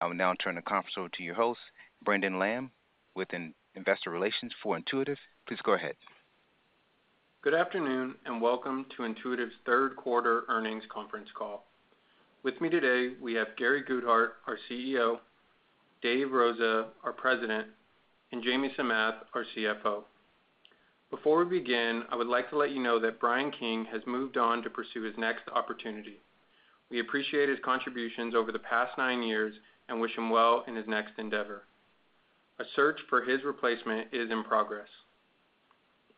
I will now turn the conference over to your host, Brandon Lamm, with Investor Relations for Intuitive. Please go ahead. Good afternoon, and welcome to Intuitive's Q3 Earnings Conference Call. With me today, we have Gary Guthart, our CEO, Dave Rosa, our President, and Jamie Samath, our CFO. Before we begin, I would like to let you know that Brian King has moved on to pursue his next opportunity. We appreciate his contributions over the past nine years and wish him well in his next endeavor. A search for his replacement is in progress.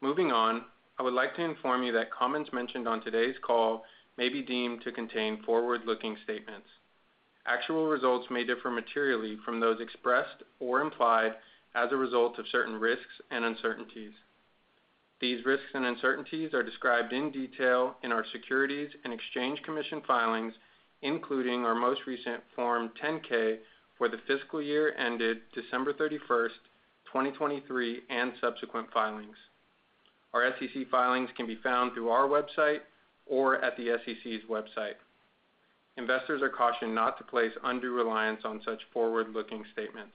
Moving on, I would like to inform you that comments mentioned on today's call may be deemed to contain forward-looking statements. Actual results may differ materially from those expressed or implied as a result of certain risks and uncertainties. These risks and uncertainties are described in detail in our Securities and Exchange Commission filings, including our most recent Form 10-K for the fiscal year ended 31 December 2023, and subsequent filings. Our SEC filings can be found through our website or at the SEC's website. Investors are cautioned not to place undue reliance on such forward-looking statements.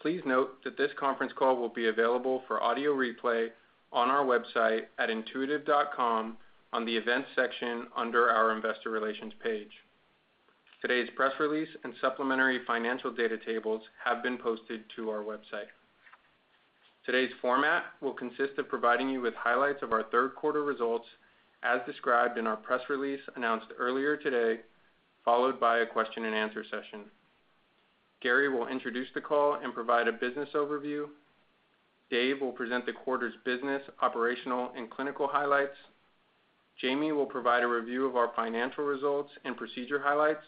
Please note that this conference call will be available for audio replay on our website at intuitive.com on the Events section under our Investor Relations page. Today's press release and supplementary financial data tables have been posted to our website. Today's format will consist of providing you with highlights of our Q3 results, as described in our press release announced earlier today, followed by a question-and-answer session. Gary will introduce the call and provide a business overview. Dave will present the quarter's business, operational, and clinical highlights. Jamie will provide a review of our financial results and procedure highlights.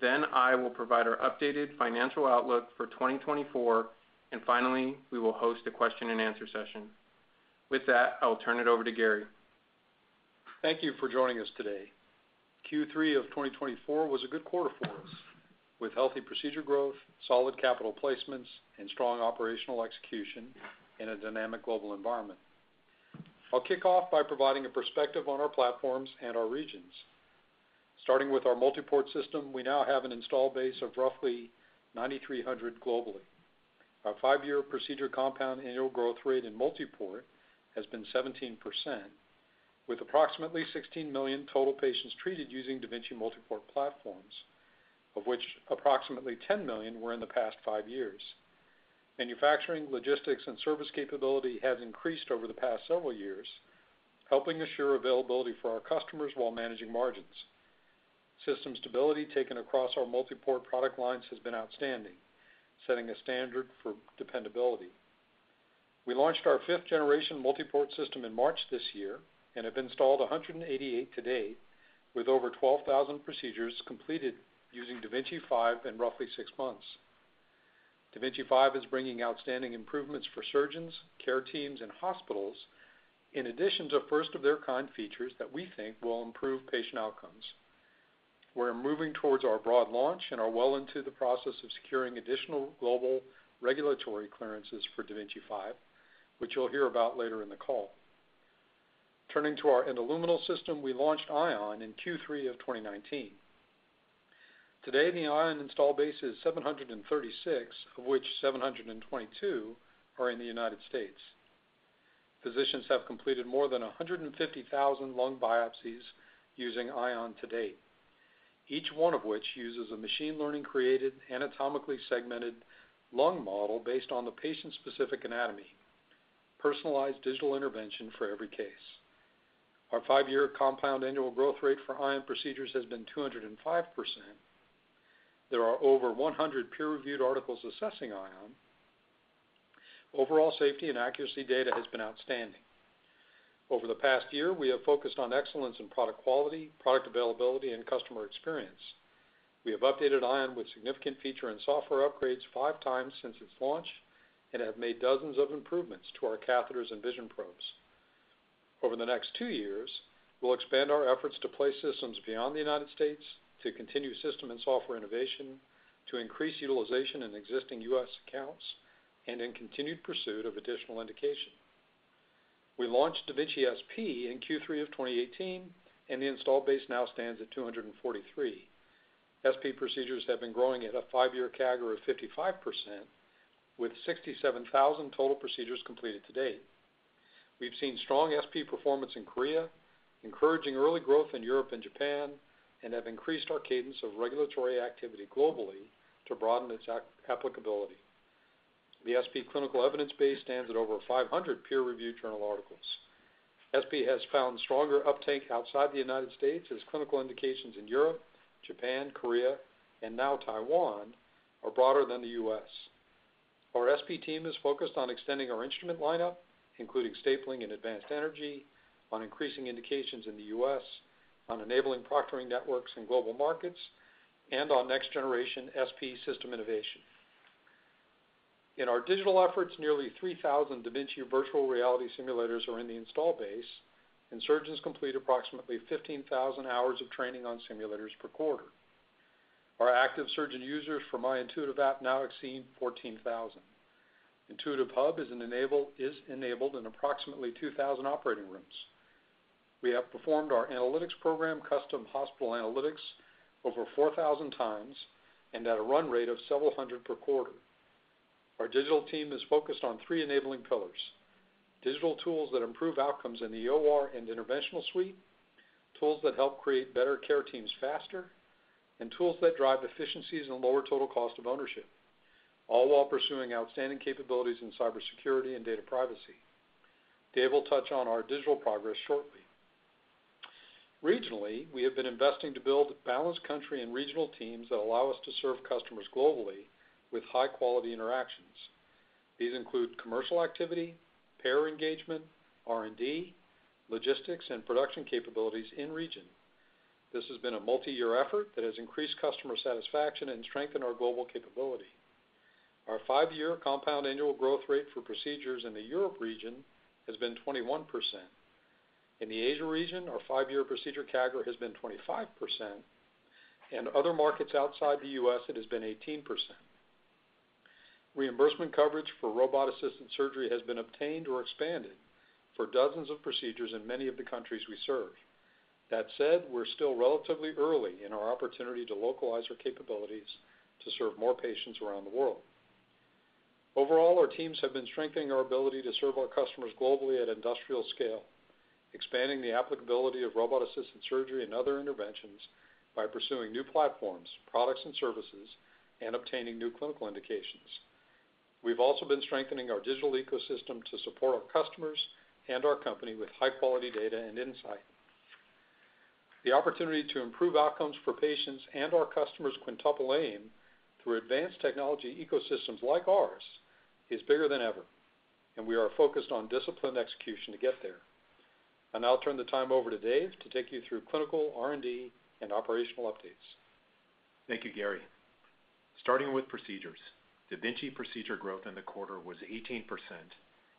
Then I will provide our updated financial outlook for 2024, and finally, we will host a question-and-answer session. With that, I'll turn it over to Gary. Thank you for joining us today. Q3 of 2024 was a good quarter for us, with healthy procedure growth, solid capital placements, and strong operational execution in a dynamic global environment. I'll kick off by providing a perspective on our platforms and our regions. Starting with our multiport system, we now have an installed base of roughly 9,300 globally. Our five-year procedure compound annual growth rate in multiport has been 17%, with approximately 16 million total patients treated using da Vinci multiport platforms, of which approximately 10 million were in the past five years. Manufacturing, logistics, and service capability has increased over the past several years, helping assure availability for our customers while managing margins. System stability taken across our multiport product lines has been outstanding, setting a standard for dependability. We launched our 5th generation multiport system in March this year and have installed 188 to date, with over 12,000 procedures completed using da Vinci 5 in roughly six months. da Vinci 5 is bringing outstanding improvements for surgeons, care teams, and hospitals, in addition to first-of-their-kind features that we think will improve patient outcomes. We're moving towards our broad launch and are well into the process of securing additional global regulatory clearances for da Vinci 5, which you'll hear about later in the call. Turning to our endoluminal system, we launched Ion in Q3 of 2019. Today, the Ion installed base is 736, of which 722 are in the United States. Physicians have completed more than 150,000 lung biopsies using Ion to date, each one of which uses a machine learning-created, anatomically segmented lung model based on the patient's specific anatomy. Personalized digital intervention for every case. Our five-year compound annual growth rate for Ion procedures has been 205%. There are over 100 peer-reviewed articles assessing Ion. Overall safety and accuracy data has been outstanding. Over the past year, we have focused on excellence in product quality, product availability, and customer experience. We have updated Ion with significant feature and software upgrades five times since its launch and have made dozens of improvements to our catheters and vision probes. Over the next two years, we'll expand our efforts to place systems beyond the United States, to continue system and software innovation, to increase utilization in existing U.S. accounts, and in continued pursuit of additional indication. We launched da Vinci SP in Q3 of 2018, and the installed base now stands at 243. SP procedures have been growing at a five-year CAGR of 55%, with 67,000 total procedures completed to date. We've seen strong SP performance in Korea, encouraging early growth in Europe and Japan, and have increased our cadence of regulatory activity globally to broaden its applicability. The SP clinical evidence base stands at over 500 peer-reviewed journal articles. SP has found stronger uptake outside the United States as clinical indications in Europe, Japan, Korea, and now Taiwan, are broader than the U.S. Our SP team is focused on extending our instrument lineup, including stapling and advanced energy, on increasing indications in the U.S., on enabling proctoring networks in global markets, and on next-generation SP system innovation. In our digital efforts, nearly 3,000 da Vinci virtual reality simulators are in the install base, and surgeons complete approximately 15,000 hours of training on simulators per quarter. Our active surgeon users for My Intuitive app now exceed 14,000. Intuitive Hub is enabled in approximately 2,000 operating rooms. We have performed our analytics program, Custom Hospital Analytics, over 4,000x and at a run rate of several hundred per quarter. Our digital team is focused on three enabling pillars, digital tools that improve outcomes in the OR and interventional suite, tools that help create better care teams faster, and tools that drive efficiencies and lower total cost of ownership, all while pursuing outstanding capabilities in cybersecurity and data privacy. Dave will touch on our digital progress shortly. Regionally, we have been investing to build balanced country and regional teams that allow us to serve customers globally with high-quality interactions. These include commercial activity, payer engagement, R&D, logistics, and production capabilities in region. This has been a multiyear effort that has increased customer satisfaction and strengthened our global capability. Our five-year compound annual growth rate for procedures in the Europe region has been 21%. In the Asia region, our five-year procedure CAGR has been 25%, and other markets outside the U.S., it has been 18%. Reimbursement coverage for robot-assisted surgery has been obtained or expanded for dozens of procedures in many of the countries we serve. That said, we're still relatively early in our opportunity to localize our capabilities to serve more patients around the world. Overall, our teams have been strengthening our ability to serve our customers globally at industrial scale, expanding the applicability of robot-assisted surgery and other interventions by pursuing new platforms, products, and services, and obtaining new clinical indications. We've also been strengthening our digital ecosystem to support our customers and our company with high-quality data and insight. The opportunity to improve outcomes for patients and our customers' Quintuple Aim through advanced technology ecosystems like ours is bigger than ever, and we are focused on disciplined execution to get there. I'll now turn the time over to Dave to take you through clinical, R&D, and operational updates. Thank you, Gary. Starting with procedures, da Vinci procedure growth in the quarter was 18%,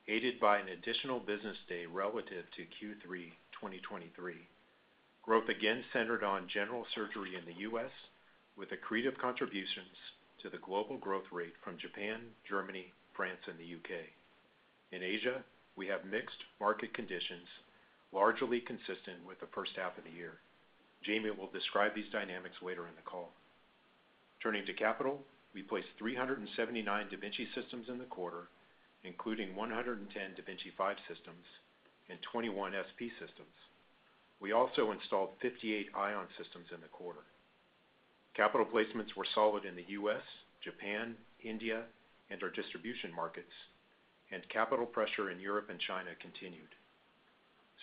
aided by an additional business day relative to Q3 2023. Growth again centered on general surgery in the U.S., with accretive contributions to the global growth rate from Japan, Germany, France, and the U.K. In Asia, we have mixed market conditions, largely consistent with the first half of the year. Jamie will describe these dynamics later in the call. Turning to capital, we placed 379 da Vinci systems in the quarter, including 110 da Vinci 5 systems and 21 SP systems. We also installed 58 Ion systems in the quarter. Capital placements were solid in the U.S., Japan, India and our distribution markets, and capital pressure in Europe and China continued.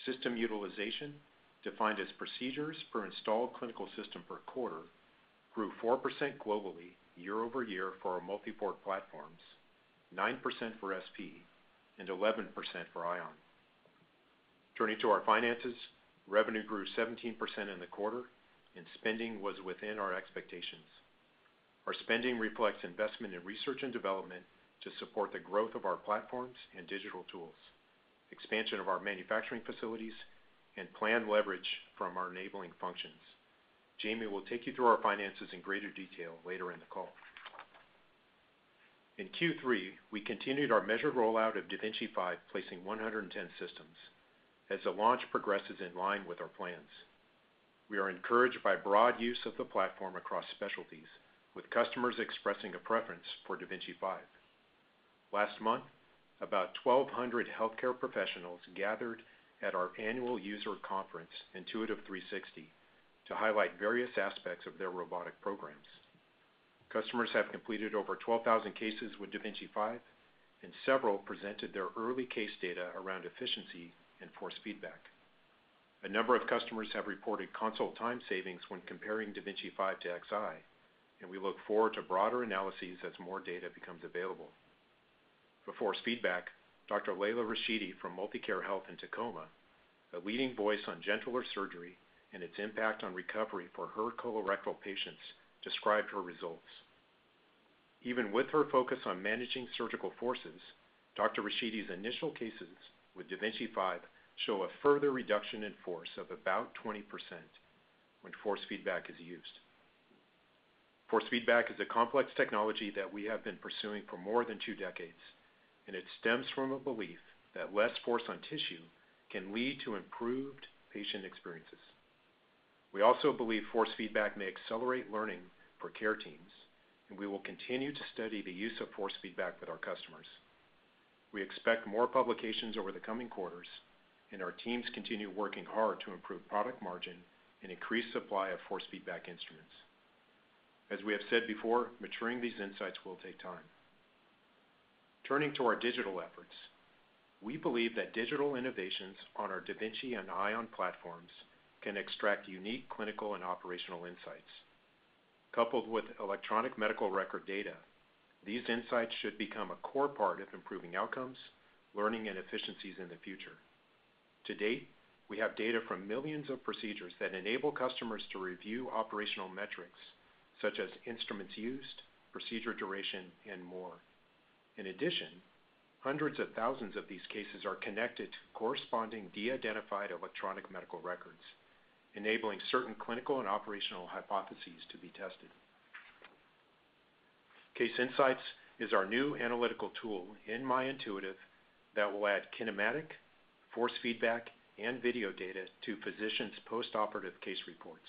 System utilization, defined as procedures per installed clinical system per quarter, grew 4% globally year-over-year for our multiport platforms, 9% for SP and 11% for Ion. Turning to our finances, revenue grew 17% in the quarter, and spending was within our expectations. Our spending reflects investment in research and development to support the growth of our platforms and digital tools, expansion of our manufacturing facilities, and planned leverage from our enabling functions. Jamie will take you through our finances in greater detail later in the call. In Q3, we continued our measured rollout of da Vinci 5, placing 110 systems as the launch progresses in line with our plans. We are encouraged by broad use of the platform across specialties, with customers expressing a preference for da Vinci 5. Last month, about 1,200 healthcare professionals gathered at our annual user conference, Intuitive 360, to highlight various aspects of their robotic programs. Customers have completed over 12,000 cases with da Vinci 5, and several presented their early case data around efficiency and force feedback. A number of customers have reported console time savings when comparing da Vinci 5 to Xi, and we look forward to broader analyses as more data becomes available. For force feedback, Dr. Laila Rashidi from MultiCare Health in Tacoma, a leading voice on gentler surgery and its impact on recovery for her colorectal patients, described her results. Even with her focus on managing surgical forces, Dr. Rashidi's initial cases with da Vinci 5 show a further reduction in force of about 20% when force feedback is used. Force feedback is a complex technology that we have been pursuing for more than two decades, and it stems from a belief that less force on tissue can lead to improved patient experiences. We also believe force feedback may accelerate learning for care teams, and we will continue to study the use of force feedback with our customers. We expect more publications over the coming quarters, and our teams continue working hard to improve product margin and increase supply of force feedback instruments. As we have said before, maturing these insights will take time. Turning to our digital efforts, we believe that digital innovations on our da Vinci and Ion platforms can extract unique clinical and operational insights. Coupled with electronic medical record data, these insights should become a core part of improving outcomes, learning, and efficiencies in the future. To date, we have data from millions of procedures that enable customers to review operational metrics such as instruments used, procedure duration, and more. In addition, hundreds of thousands of these cases are connected to corresponding de-identified electronic medical records, enabling certain clinical and operational hypotheses to be tested. Case Insights is our new analytical tool in My Intuitive that will add kinematic, force feedback, and video data to physicians' post-operative case reports,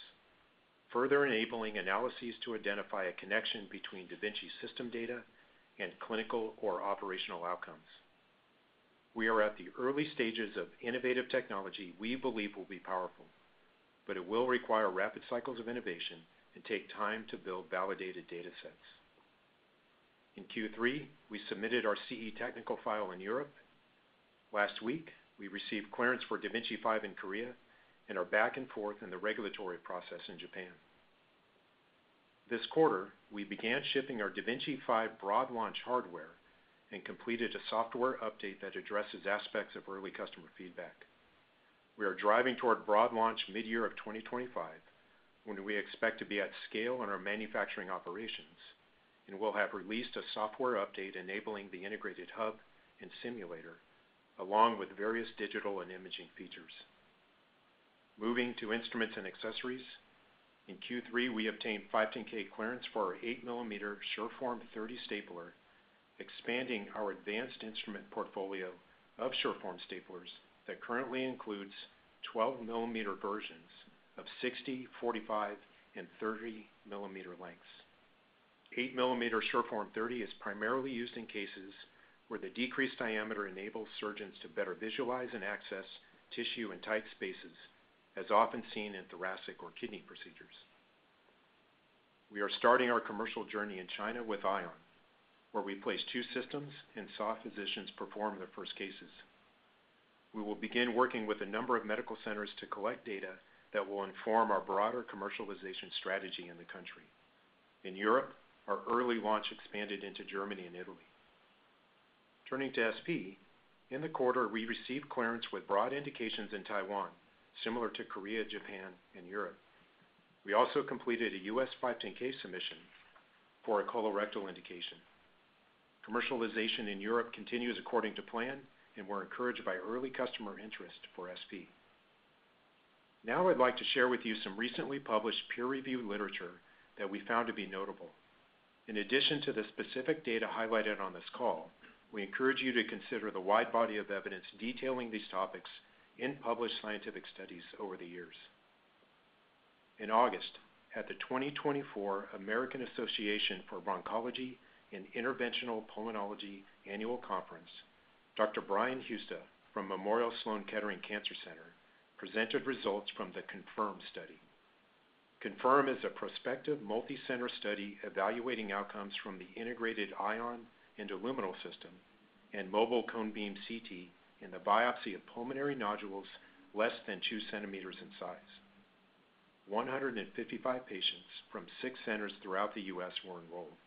further enabling analyses to identify a connection between da Vinci system data and clinical or operational outcomes. We are at the early stages of innovative technology we believe will be powerful, but it will require rapid cycles of innovation and take time to build validated data sets. In Q3, we submitted our CE technical file in Europe. Last week, we received clearance for da Vinci 5 in Korea, and are back and forth in the regulatory process in Japan. This quarter, we began shipping our da Vinci 5 broad launch hardware and completed a software update that addresses aspects of early customer feedback. We are driving toward broad launch mid-year of 2025, when we expect to be at scale in our manufacturing operations, and we'll have released a software update enabling the integrated Hub and simulator, along with various digital and imaging features. Moving to instruments and accessories, in Q3, we obtained 510(k) clearance for our eight-mm SureForm 30 stapler, expanding our advanced instrument portfolio of SureForm staplers that currently includes 12-mm versions of 60 mm, 45 mm and 30 mm lengths. 8-mm SureForm 30 is primarily used in cases where the decreased diameter enables surgeons to better visualize and access tissue in tight spaces, as often seen in thoracic or kidney procedures. We are starting our commercial journey in China with Ion, where we placed two systems, and saw physicians perform their first cases. We will begin working with a number of medical centers to collect data that will inform our broader commercialization strategy in the country. In Europe, our early launch expanded into Germany and Italy. Turning to SP, in the quarter, we received clearance with broad indications in Taiwan, similar to Korea, Japan, and Europe. We also completed a U.S. 510(k) submission for a colorectal indication. Commercialization in Europe continues according to plan, and we're encouraged by early customer interest for SP. Now I'd like to share with you some recently published peer-reviewed literature that we found to be notable. In addition to the specific data highlighted on this call, we encourage you to consider the wide body of evidence detailing these topics in published scientific studies over the years. In August, at the 2024 American Association for Bronchology and Interventional Pulmonology Annual Conference, Dr. Bryan Husta from Memorial Sloan Kettering Cancer Center, presented results from the CONFIRM study. CONFIRM is a prospective multicenter study evaluating outcomes from the integrated Ion and endoluminal system and mobile cone beam CT in the biopsy of pulmonary nodules less than two centimeters in size. 155 patients from six centers throughout the U.S. were enrolled.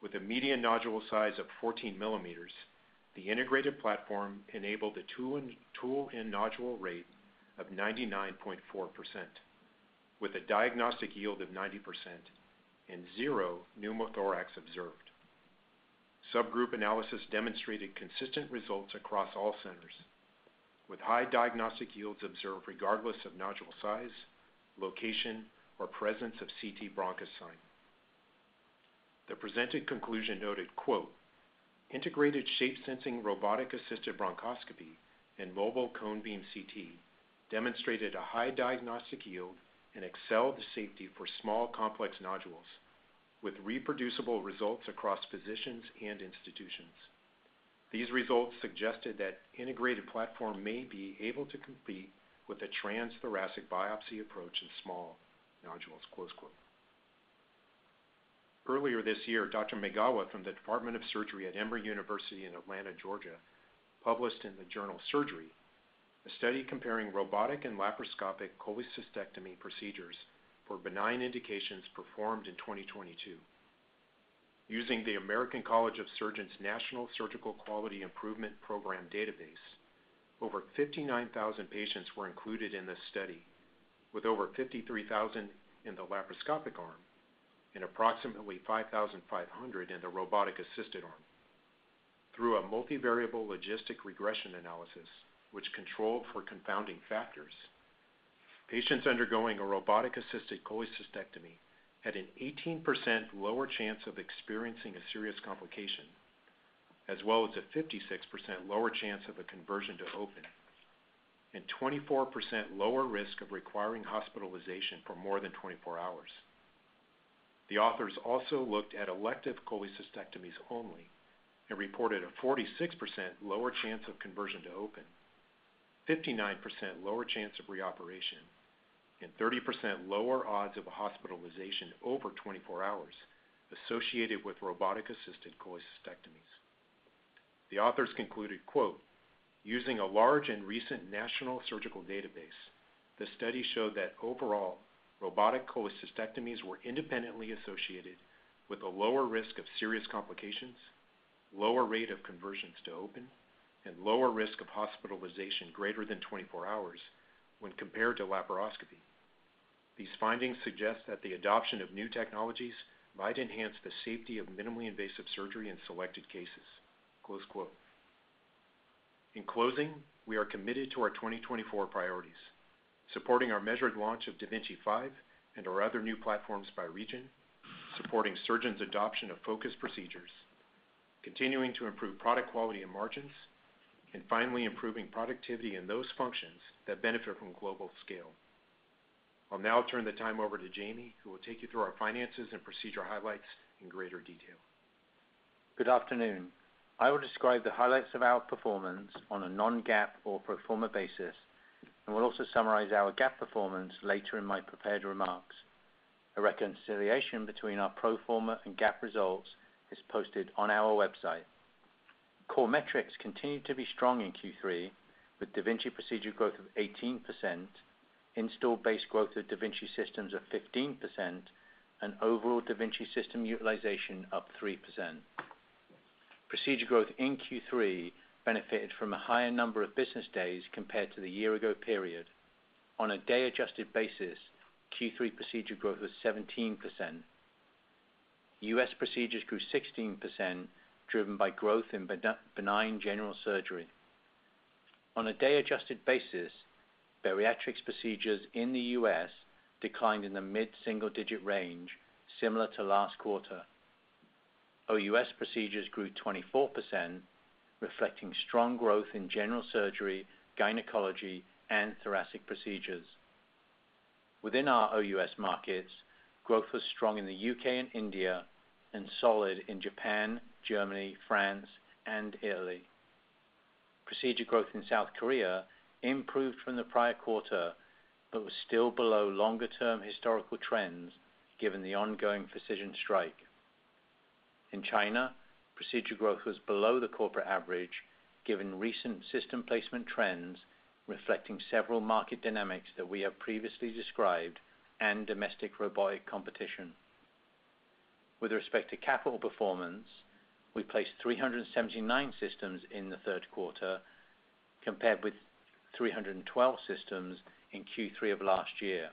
With a median nodule size of 14 mm, the integrated platform enabled a tool-in-nodule rate of 99.4%, with a diagnostic yield of 90%, and zero pneumothorax observed. Subgroup analysis demonstrated consistent results across all centers, with high diagnostic yields observed regardless of nodule size, location or presence of CT bronchus sign. The presented conclusion noted, quote, "Integrated shape-sensing, robotic-assisted bronchoscopy and mobile cone-beam CT demonstrated a high diagnostic yield and excelled safety for small, complex nodules, with reproducible results across physicians and institutions. These results suggested that integrated platform may be able to compete with a transthoracic biopsy approach in small nodules," close quote. Earlier this year, Dr. Maegawa from the Department of Surgery at Emory University in Atlanta, Georgia, published in the journal Surgery, a study comparing robotic and laparoscopic cholecystectomy procedures for benign indications performed in 2022. Using the American College of Surgeons National Surgical Quality Improvement Program database, over 59,000 patients were included in this study, with over 53,000 in the laparoscopic arm and approximately 5,500 in the robotic-assisted arm. Through a multivariable logistic regression analysis, which controlled for confounding factors, patients undergoing a robotic-assisted cholecystectomy had an 18% lower chance of experiencing a serious complication, as well as a 56% lower chance of a conversion to open, and 24% lower risk of requiring hospitalization for more than 24 hours. The authors also looked at elective cholecystectomies only and reported a 46% lower chance of conversion to open, 59% lower chance of reoperation, and 30% lower odds of a hospitalization over 24 hours associated with robotic-assisted cholecystectomies. The authors concluded, quote, "Using a large and recent national surgical database, the study showed that overall, robotic cholecystectomies were independently associated with a lower risk of serious complications, lower rate of conversions to open, and lower risk of hospitalization greater than 24 hours when compared to laparoscopy. These findings suggest that the adoption of new technologies might enhance the safety of minimally invasive surgery in selected cases". In closing, we are committed to our 2024 priorities, supporting our measured launch of da Vinci 5 and our other new platforms by region, supporting surgeons' adoption of focused procedures, continuing to improve product quality and margins, and finally, improving productivity in those functions that benefit from global scale. I'll now turn the time over to Jamie, who will take you through our finances and procedural highlights in greater detail. Good afternoon. I will describe the highlights of our performance on a non-GAAP or pro forma basis, and will also summarize our GAAP performance later in my prepared remarks. A reconciliation between our pro forma and GAAP results is posted on our website. Core metrics continued to be strong in Q3, with da Vinci procedure growth of 18%, installed base growth of da Vinci systems of 15%, and overall da Vinci system utilization up 3%. Procedure growth in Q3 benefited from a higher number of business days compared to the year-ago period. On a day-adjusted basis, Q3 procedure growth was 17%. U.S. procedures grew 16%, driven by growth in benign general surgery. On a day-adjusted basis, bariatrics procedures in the U.S. declined in the mid-single-digit range, similar to last quarter. OUS procedures grew 24%, reflecting strong growth in general surgery, gynecology, and thoracic procedures. Within our OUS markets, growth was strong in the U.K. and India, and solid in Japan, Germany, France, and Italy. Procedure growth in South Korea improved from the prior quarter, but was still below longer-term historical trends, given the ongoing precision strike. In China, procedure growth was below the corporate average, given recent system placement trends, reflecting several market dynamics that we have previously described and domestic robotic competition. With respect to capital performance, we placed 379 systems in the Q3, compared with 312 systems in Q3 of last year.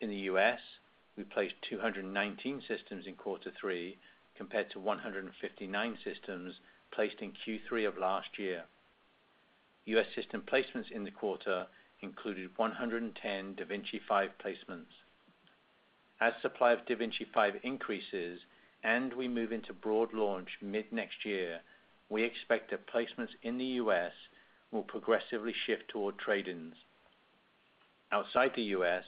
In the U.S., we placed 219 systems in Q3, compared to 159 systems placed in Q3 of last year. U.S. system placements in the quarter included 110 da Vinci 5 placements. As supply of da Vinci 5 increases and we move into broad launch mid-next year, we expect that placements in the U.S. will progressively shift toward trade-ins. Outside the U.S.,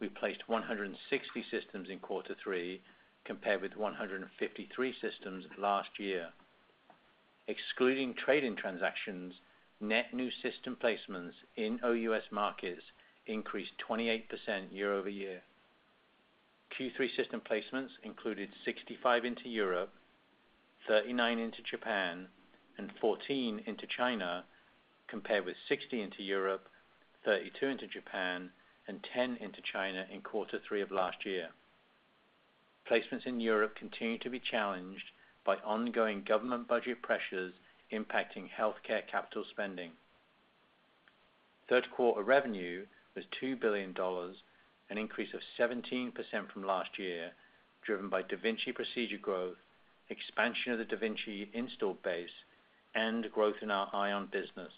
we placed 160 systems in Q3, compared with 153 systems last year. Excluding trade-in transactions, net new system placements in OUS markets increased 28% year-over-year. Q3 system placements included 65 into Europe, 39 into Japan and 14 into China, compared with 60 into Europe, 32 into Japan and 10 into China in Q3 of last year. Placements in Europe continue to be challenged by ongoing government budget pressures impacting healthcare capital spending. Q3 revenue was $2 billion, an increase of 17% from last year, driven by da Vinci procedure growth, expansion of the da Vinci installed base, and growth in our Ion business.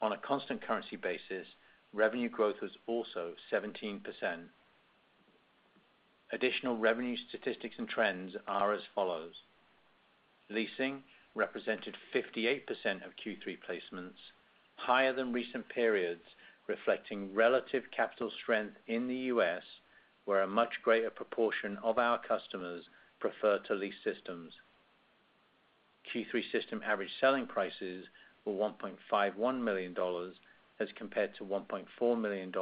On a constant currency basis, revenue growth was also 17%. Additional revenue statistics and trends are as follows, Leasing represented 58% of Q3 placements, higher than recent periods, reflecting relative capital strength in the U.S., where a much greater proportion of our customers prefer to lease systems. Q3 system average selling prices were $1.51 million, as compared to $1.4 million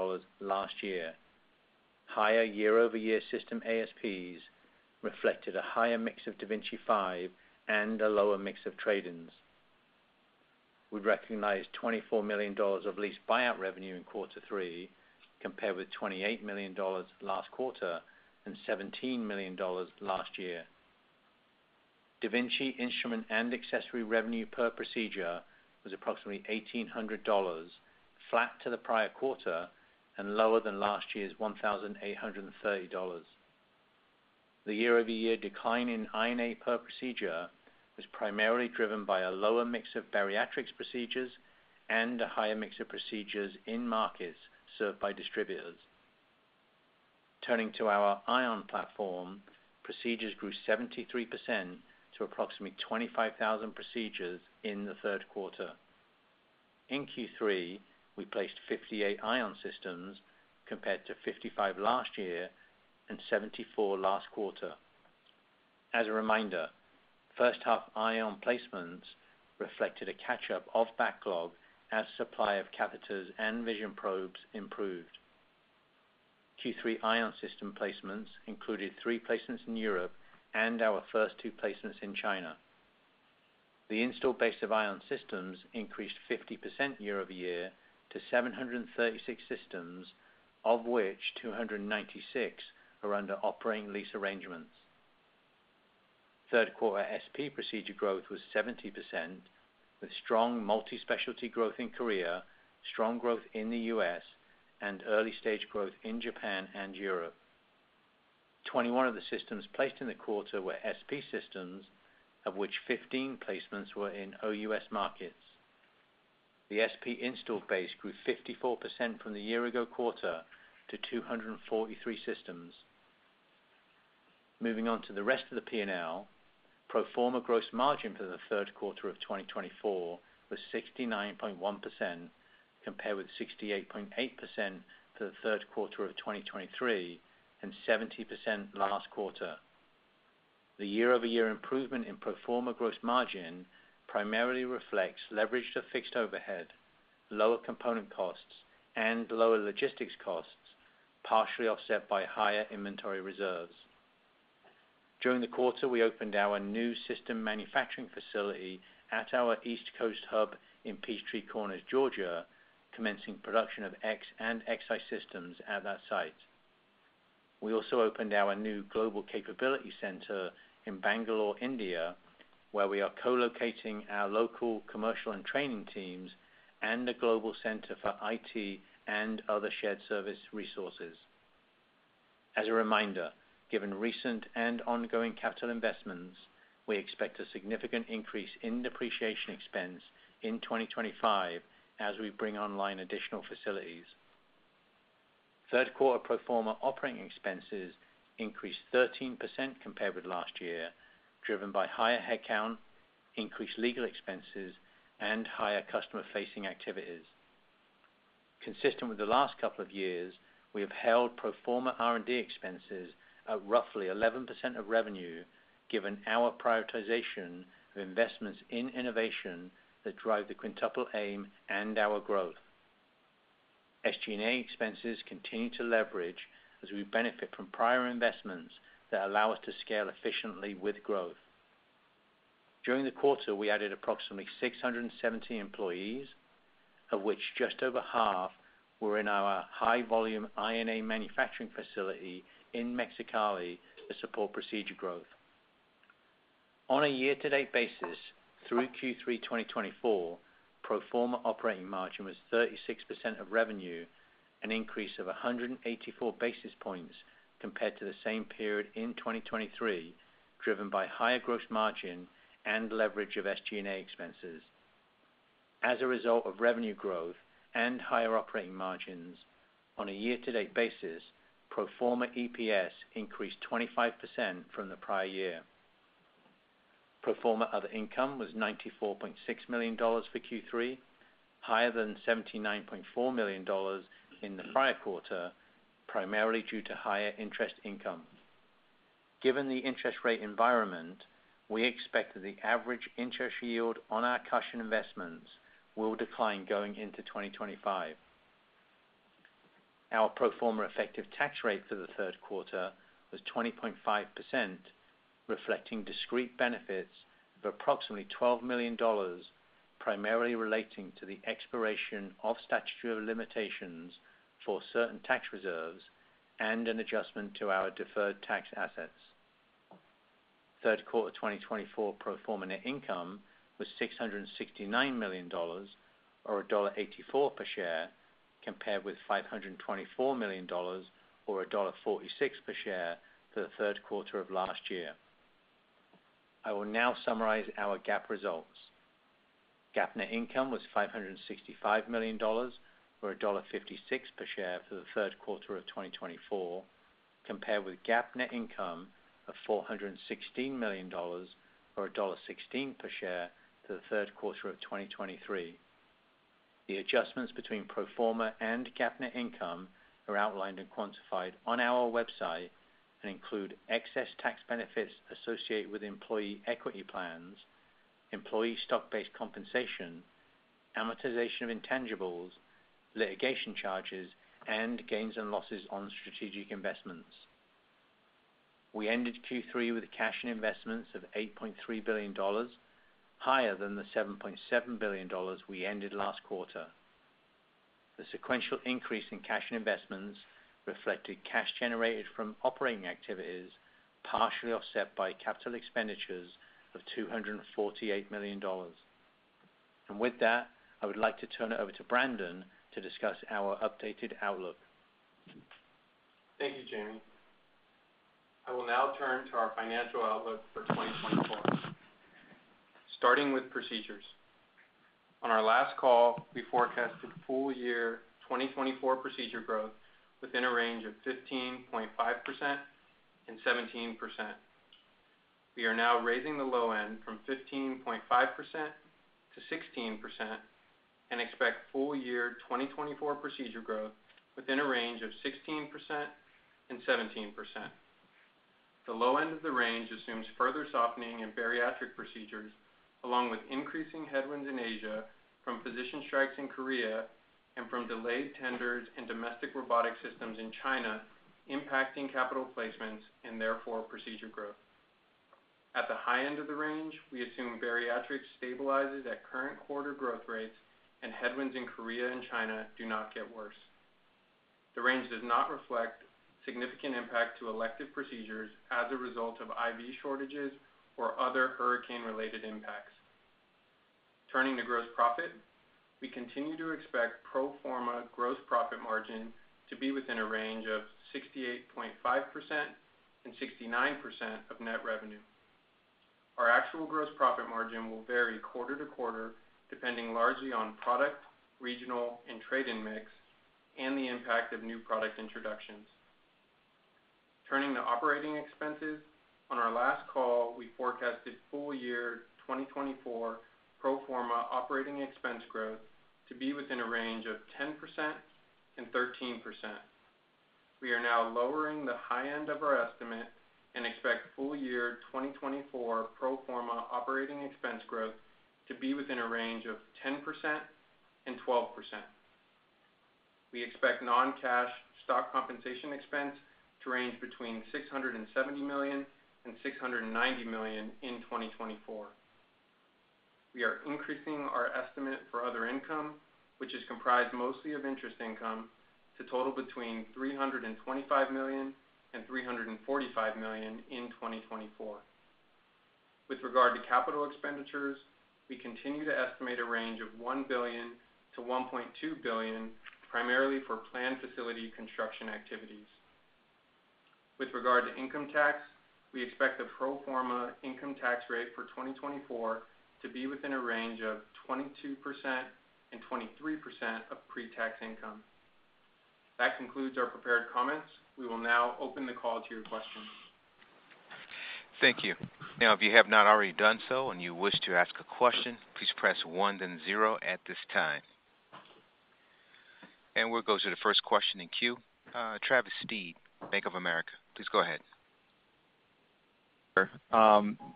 last year. Higher year-over-year system ASPs reflected a higher mix of da Vinci 5 and a lower mix of trade-ins. We recognized $24 million of lease buyout revenue in Q3, compared with $28 million last quarter and $17 million last year. da Vinci instrument and accessory revenue per procedure was approximately $1,800, flat to the prior quarter and lower than last year's $1,830. The year-over-year decline in I&A per procedure was primarily driven by a lower mix of bariatrics procedures and a higher mix of procedures in markets served by distributors. Turning to our Ion platform, procedures grew 73% to approximately 25,000 procedures in the Q3. In Q3, we placed 58 Ion systems, compared to 55 last year and 74 last quarter. As a reminder, first half Ion placements reflected a catch-up of backlog as supply of catheters and vision probes improved. Q3 Ion system placements included three placements in Europe and our first two placements in China. The installed base of Ion systems increased 50% year-over-year to 736 systems, of which 296 are under operating lease arrangements. Q3 SP procedure growth was 70%, with strong multi-specialty growth in Korea, strong growth in the U.S., and early-stage growth in Japan and Europe. 21 of the systems placed in the quarter were SP systems, of which 15 placements were in OUS markets. The SP install base grew 54% from the year-ago quarter to 243 systems. Moving on to the rest of the P&L. Pro forma gross margin for the Q3 of 2024 was 69.1%, compared with 68.8% for the Q3 of 2023, and 70% last quarter. The year-over-year improvement in pro forma gross margin primarily reflects leverage to fixed overhead, lower component costs, and lower logistics costs, partially offset by higher inventory reserves. During the quarter, we opened our new system manufacturing facility at our East Coast hub in Peachtree Corners, Georgia, commencing production of X and XI systems at that site. We also opened our new global capability center in Bangalore, India, where we are co-locating our local commercial and training teams and a global center for IT and other shared service resources. As a reminder, given recent and ongoing capital investments, we expect a significant increase in depreciation expense in 2025 as we bring online additional facilities. Q3 pro forma operating expenses increased 13% compared with last year, driven by higher headcount, increased legal expenses, and higher customer-facing activities. Consistent with the last couple of years, we have held pro forma R&D expenses at roughly 11% of revenue, given our prioritization of investments in innovation that drive the quintuple aim and our growth. SG&A expenses continue to leverage as we benefit from prior investments that allow us to scale efficiently with growth. During the quarter, we added approximately 670 employees, of which just over 1/2 were in our high-volume I&A manufacturing facility in Mexicali to support procedure growth. On a year-to-date basis, through Q3 2024, pro forma operating margin was 36% of revenue, an increase of 184 basis points compared to the same period in 2023, driven by higher gross margin and leverage of SG&A expenses. As a result of revenue growth and higher operating margins on a year-to-date basis, pro forma EPS increased 25% from the prior year. Pro forma other income was $94.6 million for Q3, higher than $79.4 million in the prior quarter, primarily due to higher interest income. Given the interest rate environment, we expect that the average interest yield on our cash and investments will decline going into 2025. Our pro forma effective tax rate for the Q3 was 20.5%, reflecting discrete benefits of approximately $12 million, primarily relating to the expiration of statutory limitations for certain tax reserves and an adjustment to our deferred tax assets. Q3 2024 pro forma net income was $669 million or $1.84 per share, compared with $524 million or $1.46 per share for the Q3 of last year. I will now summarize our GAAP results. GAAP net income was $565 million or $1.56 per share for the Q3 of 2024, compared with GAAP net income of $416 million or $1.16 per share for the Q3 of 2023. The adjustments between pro forma and GAAP net income are outlined and quantified on our website and include excess tax benefits associated with employee equity plans, employee stock-based compensation, amortization of intangibles, litigation charges, and gains and losses on strategic investments. We ended Q3 with cash and investments of $8.3 billion, higher than the $7.7 billion we ended last quarter. The sequential increase in cash and investments reflected cash generated from operating activities, partially offset by capital expenditures of $248 million. With that, I would like to turn it over to Brandon to discuss our updated outlook. Thank you, Jamie. I will now turn to our financial outlook for 2024. Starting with procedures. On our last call, we forecasted full year 2024 procedure growth within a range of 15.5% and 17%. We are now raising the low end from 15.5% to 16% and expect full year 2024 procedure growth within a range of 16% and 17%. The low end of the range assumes further softening in bariatric procedures, along with increasing headwinds in Asia from physician strikes in Korea and from delayed tenders and domestic robotic systems in China, impacting capital placements and therefore procedure growth. At the high end of the range, we assume bariatric stabilizes at current quarter growth rates and headwinds in Korea and China do not get worse. The range does not reflect significant impact to elective procedures as a result of IV shortages or other hurricane-related impacts. Turning to gross profit, we continue to expect pro forma gross profit margin to be within a range of 68.5%-69% of net revenue. Our actual gross profit margin will vary quarter to quarter, depending largely on product, regional, and trade-in mix, and the impact of new product introductions. Turning to operating expenses, on our last call, we forecasted full year 2024 pro forma operating expense growth to be within a range of 10%-13%. We are now lowering the high end of our estimate and expect full year 2024 pro forma operating expense growth to be within a range of 10%-12%. We expect non-cash stock compensation expense to range between $670 million and $690 million in 2024. We are increasing our estimate for other income, which is comprised mostly of interest income, to total between $325 million and $345 million in 2024. With regard to capital expenditures, we continue to estimate a range of $1 billion to $1.2 billion, primarily for planned facility construction activities. With regard to income tax, we expect the pro forma income tax rate for 2024 to be within a range of 22% and 23% of pre-tax income. That concludes our prepared comments. We will now open the call to your questions. Thank you. Now, if you have not already done so and you wish to ask a question, please press one, then zero at this time. And we'll go to the first question in queue. Travis Steed, Bank of America. Please go ahead. Sure.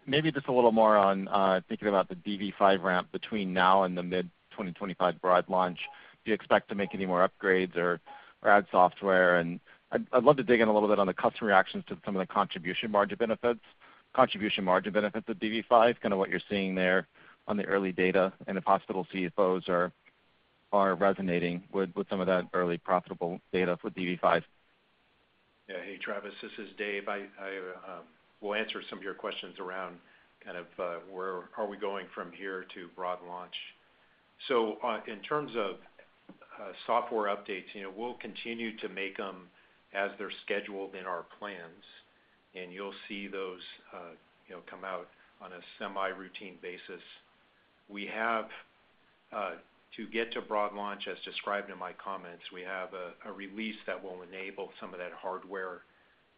Maybe just a little more on thinking about the da Vinci 5 ramp between now and the mid-2025 broad launch. Do you expect to make any more upgrades or add software? And I'd love to dig in a little bit on the customer reactions to some of the contribution margin benefits of da Vinci 5, kind of what you're seeing there on the early data, and if hospital CFOs are resonating with some of that early profitable data for da Vinci 5. Yeah. Hey, Travis, this is Dave. I will answer some of your questions around kind of where are we going from here to broad launch. So, in terms of software updates, you know, we'll continue to make them as they're scheduled in our plans, and you'll see those, you know, come out on a semi-routine basis. We have to get to broad launch, as described in my comments, we have a release that will enable some of that hardware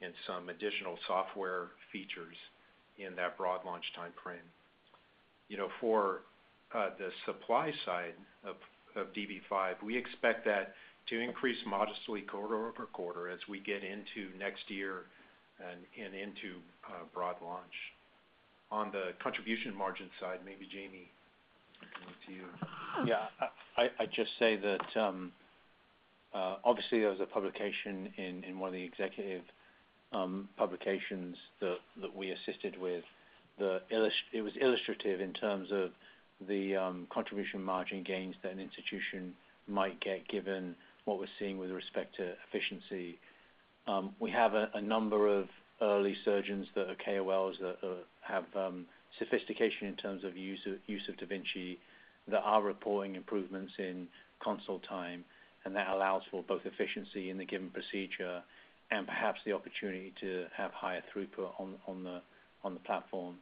and some additional software features in that broad launch timeframe. You know, for the supply side of dV5, we expect that to increase modestly quarter-over-quarter as we get into next year and into broad launch. On the contribution margin side, maybe Jamie, I can look to you. Yeah. I'd just say that, obviously, there was a publication in one of the executive publications that we assisted with. It was illustrative in terms of the contribution margin gains that an institution might get, given what we're seeing with respect to efficiency. We have a number of early surgeons that are KOLs that have sophistication in terms of use of da Vinci that are reporting improvements in console time, and that allows for both efficiency in the given procedure and perhaps the opportunity to have higher throughput on the platform,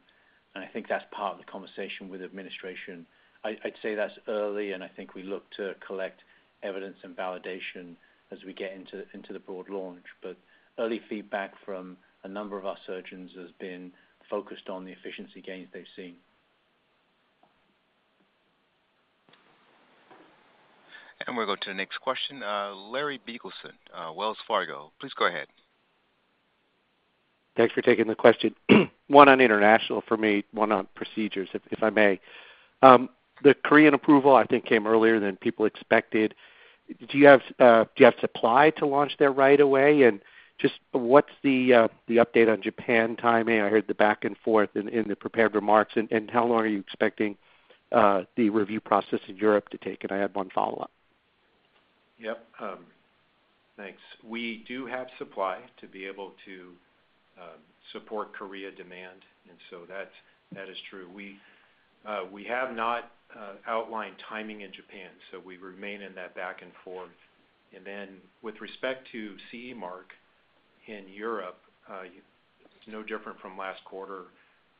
and I think that's part of the conversation with administration. I'd say that's early, and I think we look to collect evidence and validation as we get into the broad launch. But early feedback from a number of our surgeons has been focused on the efficiency gains they've seen. We'll go to the next question. Larry Biegelsen, Wells Fargo. Please go ahead. Thanks for taking the question. One on international for me, one on procedures, if I may. The Korean approval, I think, came earlier than people expected. Do you have supply to launch there right away? And just what's the update on Japan timing? I heard the back and forth in the prepared remarks. And how long are you expecting the review process in Europe to take? And I have one follow-up. Yep. Thanks. We do have supply to be able to support Korea demand, and so that's, that is true. We have not outlined timing in Japan, so we remain in that back and forth. And then, with respect to CE mark in Europe, it's no different from last quarter,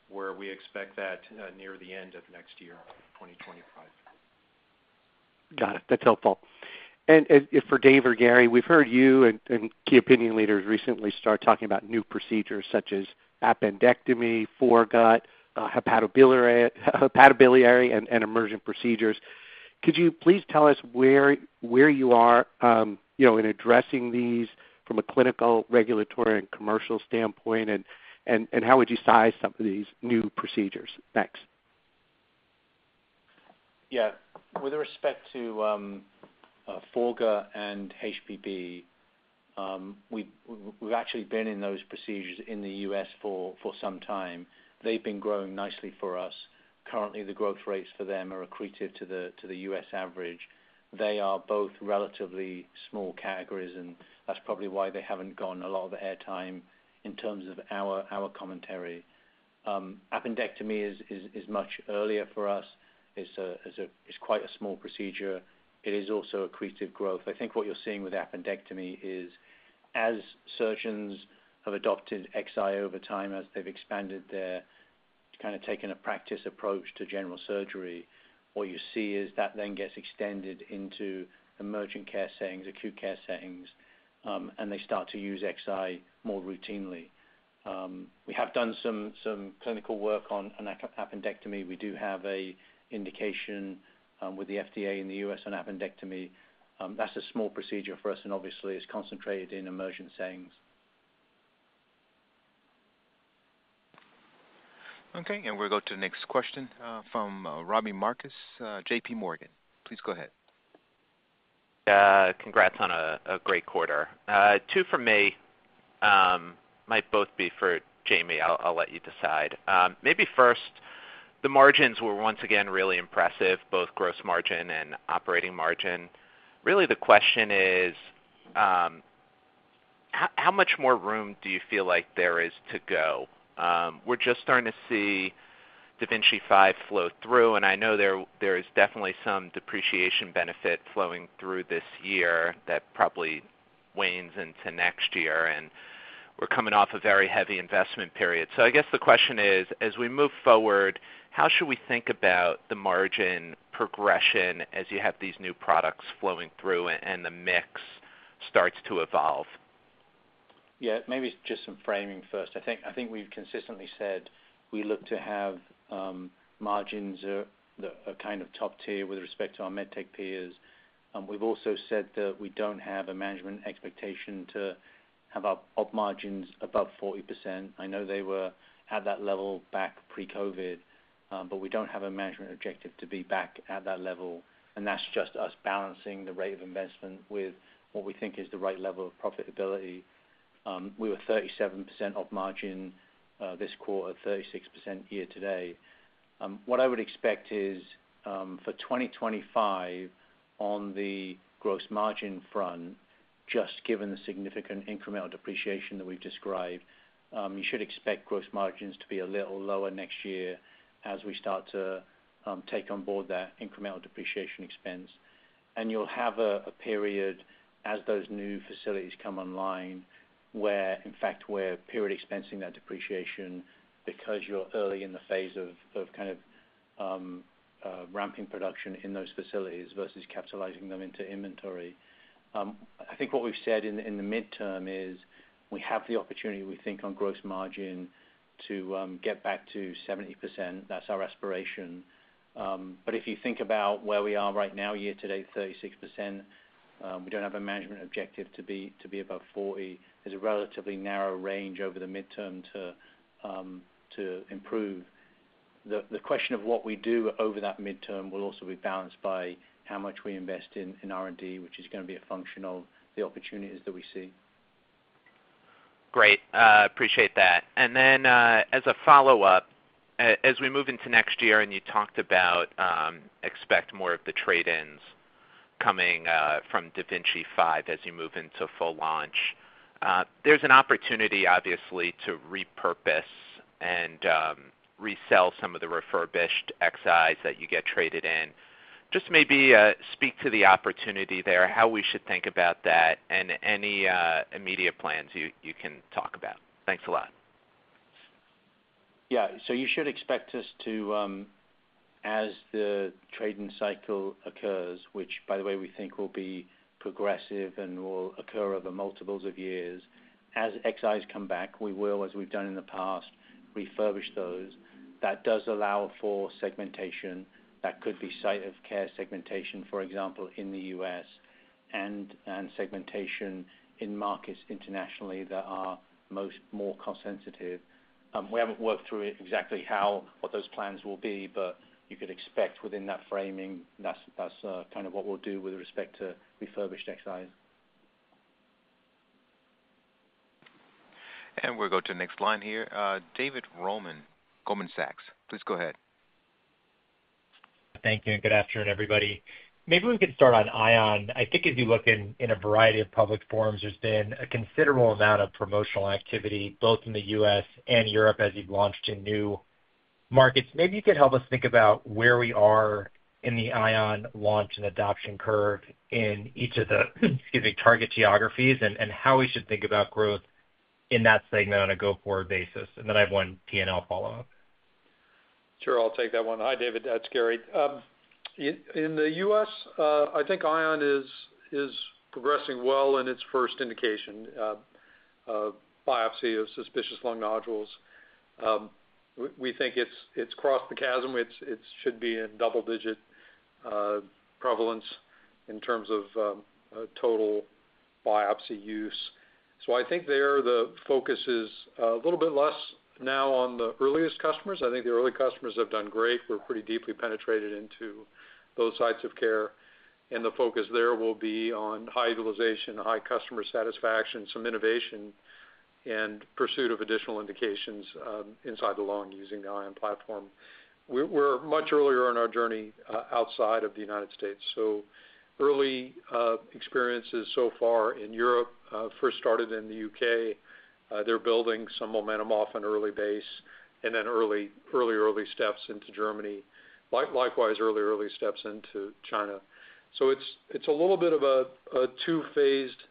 where we expect that near the end of next year, 2025. Got it. That's helpful. And for Dave or Gary, we've heard you and key opinion leaders recently start talking about new procedures such as appendectomy, foregut, hepatobiliary, and emergent procedures. Could you please tell us where you are, you know, in addressing these from a clinical, regulatory, and commercial standpoint? And how would you size some of these new procedures? Thanks. Yeah. With respect to foregut and HPB, we've actually been in those procedures in the U.S. for some time. They've been growing nicely for us. Currently, the growth rates for them are accretive to the U.S. average. They are both relatively small categories, and that's probably why they haven't gotten a lot of the airtime in terms of our commentary. Appendectomy is much earlier for us. It's quite a small procedure. It is also accretive growth. I think what you're seeing with appendectomy is as surgeons have adopted Xi over time, as they've expanded their, kind of taken a practice approach to general surgery, what you see is that then gets extended into emergent care settings, acute care settings, and they start to use Xi more routinely. We have done some clinical work on an appendectomy. We do have an indication with the FDA in the U.S. on appendectomy. That's a small procedure for us, and obviously, it's concentrated in emergent settings. Okay, and we'll go to the next question, from Robbie Marcus, J.P. Morgan. Please go ahead. Congrats on a great quarter. Two for me, might both be for Jamie. I'll let you decide. Maybe first, the margins were once again really impressive, both gross margin and operating margin. Really, the question is, how much more room do you feel like there is to go? We're just starting to see da Vinci 5 flow through, and I know there is definitely some depreciation benefit flowing through this year that probably wanes into next year, and we're coming off a very heavy investment period. So I guess the question is, as we move forward, how should we think about the margin progression as you have these new products flowing through and the mix starts to evolve? Yeah, maybe just some framing first. I think we've consistently said we look to have margins that are kind of top tier with respect to our med tech peers. We've also said that we don't have a management expectation to have our op margins above 40%. I know they were at that level back pre-COVID, but we don't have a management objective to be back at that level, and that's just us balancing the rate of investment with what we think is the right level of profitability. We were 37% op margin this quarter, 36% year-to-date. What I would expect is, for 2025, on the gross margin front, just given the significant incremental depreciation that we've described, you should expect gross margins to be a little lower next year as we start to take on board that incremental depreciation expense, and you'll have a period as those new facilities come online, where, in fact, we're period expensing that depreciation because you're early in the phase of kind of ramping production in those facilities versus capitalizing them into inventory. I think what we've said in the midterm is we have the opportunity, we think, on gross margin to get back to 70%. That's our aspiration, but if you think about where we are right now, year-to-date, 36%, we don't have a management objective to be above 40%. There's a relatively narrow range over the midterm to improve. The question of what we do over that midterm will also be balanced by how much we invest in R&D, which is gonna be a function of the opportunities that we see. Great. Appreciate that. And then, as a follow-up, as we move into next year, and you talked about, expect more of the trade-ins coming, from da Vinci 5 as you move into full launch. There's an opportunity, obviously, to repurpose and, resell some of the refurbished Xis that you get traded in. Just maybe, speak to the opportunity there, how we should think about that, and any immediate plans you can talk about. Thanks a lot. Yeah. So you should expect us to, as the trade-in cycle occurs, which by the way, we think will be progressive and will occur over multiples of years, as Xis come back, we will, as we've done in the past, refurbish those. That does allow for segmentation. That could be site of care segmentation, for example, in the U.S., and segmentation in markets internationally that are more cost sensitive. We haven't worked through it exactly how, what those plans will be, but you could expect within that framing, that's kind of what we'll do with respect to refurbished Xis. And we'll go to the next line here. David Roman, Goldman Sachs, please go ahead. Thank you, and good afternoon, everybody. Maybe we could start on Ion. I think if you look in a variety of public forums, there's been a considerable amount of promotional activity, both in the U.S. and Europe, as you've launched in new markets. Maybe you could help us think about where we are in the Ion launch and adoption curve in each of the, excuse me, target geographies, and how we should think about growth in that segment on a go-forward basis. And then I have one P&L follow-up. Sure, I'll take that one. Hi, David. It's Gary. In the U.S., I think Ion is progressing well in its first indication of biopsy of suspicious lung nodules. We think it's crossed the chasm. It should be in double digit prevalence in terms of total biopsy use. So I think the focus is a little bit less now on the earliest customers. I think the early customers have done great. We're pretty deeply penetrated into those sites of care, and the focus there will be on high utilization, high customer satisfaction, some innovation, and pursuit of additional indications inside the lung using the Ion platform. We're much earlier on our journey outside of the United States. So early experiences so far in Europe first started in the U.K. They're building some momentum off an early base and then early steps into Germany. Likewise, early steps into China. So it's a little bit of a two-phased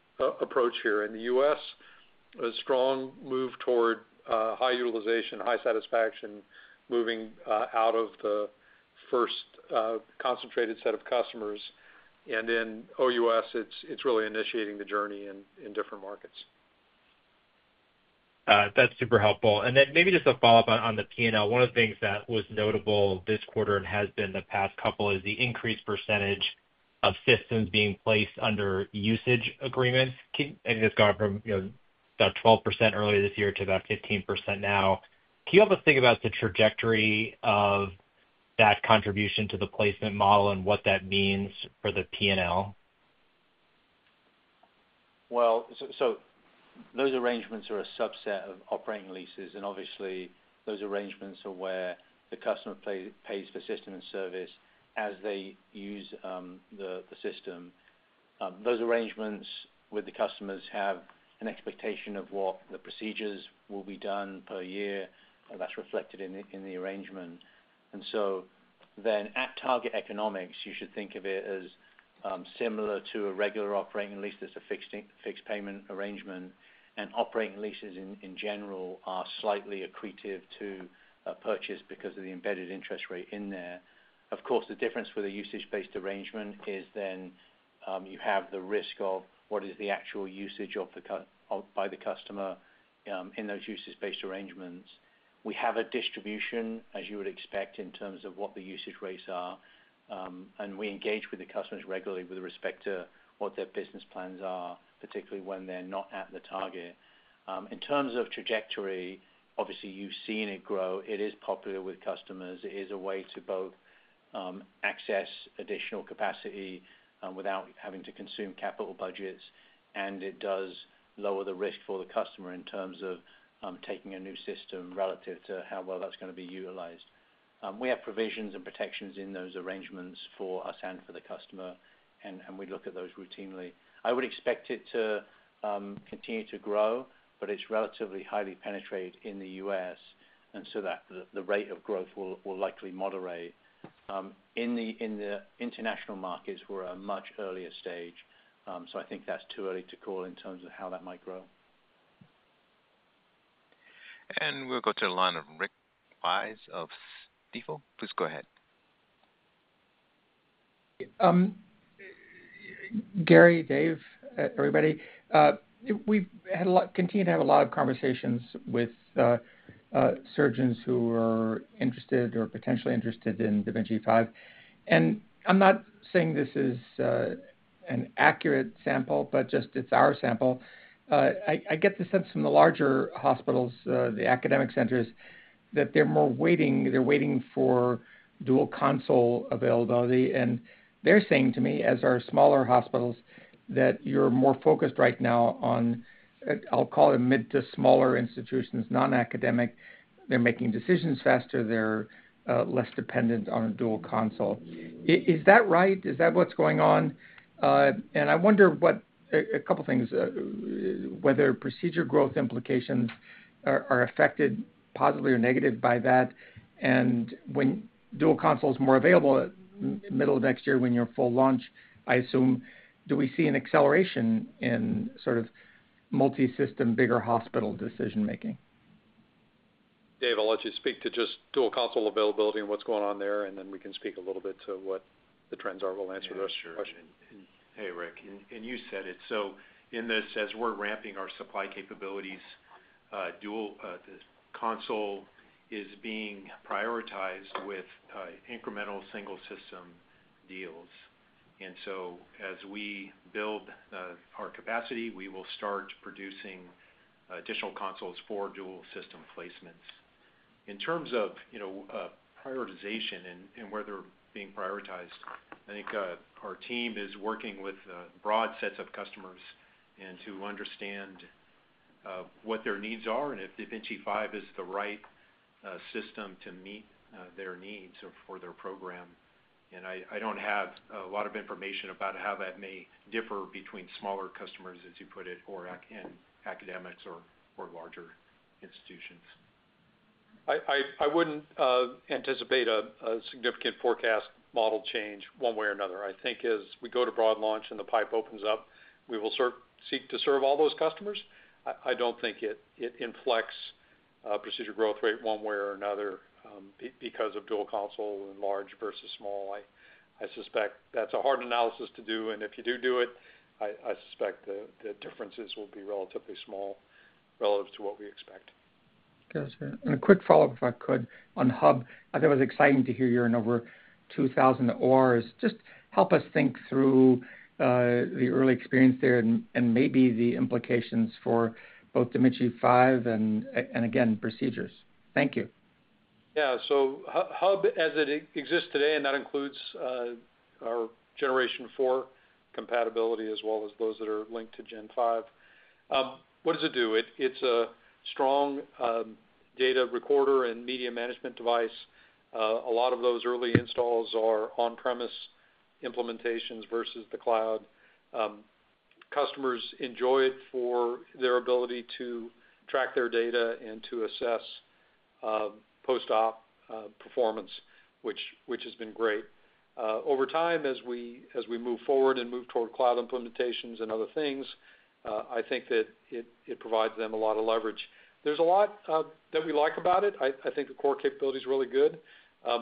approach here. In the U.S., a strong move toward high utilization, high satisfaction, moving out of the first concentrated set of customers. And in OUS, it's really initiating the journey in different markets. That's super helpful, and then maybe just a follow-up on the P&L. One of the things that was notable this quarter and has been the past couple is the increased percentage of systems being placed under usage agreements, and it's gone from, you know, about 12% earlier this year to about 15% now. Can you help us think about the trajectory of that contribution to the placement model and what that means for the P&L? Those arrangements are a subset of operating leases, and obviously, those arrangements are where the customer pays for system and service as they use the system. Those arrangements with the customers have an expectation of what the procedures will be done per year, and that's reflected in the arrangement. And so then at target economics, you should think of it as similar to a regular operating lease. There's a fixed payment arrangement, and operating leases in general are slightly accretive to a purchase because of the embedded interest rate in there. Of course, the difference with a usage-based arrangement is then you have the risk of what is the actual usage by the customer in those usage-based arrangements. We have a distribution, as you would expect, in terms of what the usage rates are, and we engage with the customers regularly with respect to what their business plans are, particularly when they're not at the target. In terms of trajectory, obviously, you've seen it grow. It is popular with customers. It is a way to both access additional capacity without having to consume capital budgets, and it does lower the risk for the customer in terms of taking a new system relative to how well that's gonna be utilized. We have provisions and protections in those arrangements for us and for the customer, and we look at those routinely. I would expect it to continue to grow, but it's relatively highly penetrated in the U.S., and so the rate of growth will likely moderate. In the international markets, we're a much earlier stage, so I think that's too early to call in terms of how that might grow. We'll go to the line of Rick Wise of Stifel. Please go ahead. Gary, Dave, everybody, we've had a lot of conversations and continue to have a lot of conversations with surgeons who are interested or potentially interested in da Vinci 5, and I'm not saying this is an accurate sample, but just it's our sample. I get the sense from the larger hospitals, the academic centers, that they're waiting for dual console availability, and they're saying to me, as are smaller hospitals, that you're more focused right now on, I'll call it mid- to smaller institutions, non-academic. They're making decisions faster. They're less dependent on a dual console. Is that right? Is that what's going on? And I wonder what a couple things, whether procedure growth implications are affected positively or negatively by that, and when dual console is more available, middle of next year, when you're full launch, I assume, do we see an acceleration in sort of multisystem, bigger hospital decision-making? Dave, I'll let you speak to just dual console availability and what's going on there, and then we can speak a little bit to what the trends are. We'll answer the rest of the question. Yeah, sure. Hey, Rick, and you said it. So in this, as we're ramping our supply capabilities, dual console is being prioritized with incremental single system deals. And so as we build our capacity, we will start producing additional consoles for dual system placements. In terms of, you know, prioritization and where they're being prioritized, I think our team is working with broad sets of customers and to understand what their needs are and if da Vinci 5 is the right system to meet their needs or for their program. And I don't have a lot of information about how that may differ between smaller customers, as you put it, or academics or larger institutions. I wouldn't anticipate a significant forecast model change one way or another. I think as we go to broad launch and the pipe opens up, we will seek to serve all those customers. I don't think it influences procedure growth rate one way or another because of dual console and large versus small. I suspect that's a hard analysis to do, and if you do it, I suspect the differences will be relatively small relative to what we expect. Got you. And a quick follow-up, if I could, on Hub. I thought it was exciting to hear you're in over 2,000 ORs. Just help us think through the early experience there and maybe the implications for both da Vinci 5 and again, procedures. Thank you. Yeah, so Hub as it exists today, and that includes our Generation four compatibility as well as those that are linked to Gen 5. What does it do? It's a strong data recorder and media management device. A lot of those early installs are on-premise implementations versus the cloud. Customers enjoy it for their ability to track their data and to assess post-op performance, which has been great. Over time, as we move forward and move toward cloud implementations and other things, I think that it provides them a lot of leverage. There's a lot that we like about it. I think the core capability is really good.